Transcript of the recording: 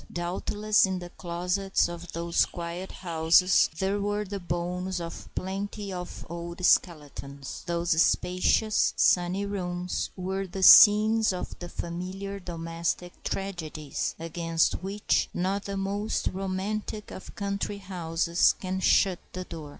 Doubtless in the closets of those quiet houses there were the bones of plenty of old skeletons. Those spacious, sunny rooms were the scenes of the familiar domestic tragedies against which not the most romantic of country houses can shut the door.